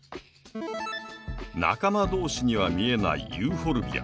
仲間同士には見えないユーフォルビア。